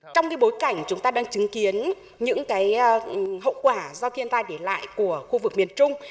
trong bối cảnh chúng ta đang chứng kiến những hậu quả do thiên tai để lại của khu vực miền trung